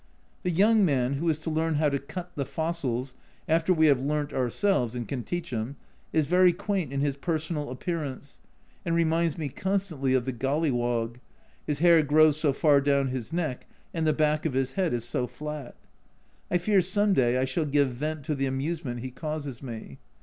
The young man who is to learn how to cut the fossils (after we have learnt ourselves and can teach him) is very quaint in his personal appearance, and reminds me constantly of the Golliwog, his hair grows so far down his neck and the back of his head is so flat. I fear some day I shall give vent to the amusement he causes me.